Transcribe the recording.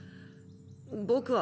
僕は。